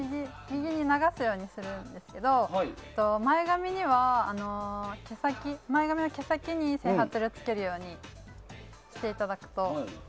右に流すようにするんですけど前髪の毛先に整髪料をつけるようにしていただくと。